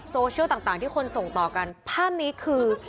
โซเชียลต่างที่คนส่งต่อกันภาพนี้คือ